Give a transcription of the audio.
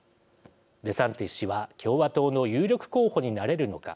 デサンティス氏は共和党の有力候補になれるのか。